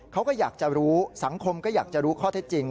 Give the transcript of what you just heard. เขาก็อยากจะรู้สังคมก็อยากจะรู้ข้อเท็จจริง